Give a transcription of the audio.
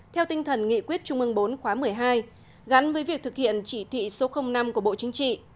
theo tinh thần nghị quyết trung ương bốn khóa một mươi hai gắn với việc thực hiện chỉ thị số năm của bộ chính trị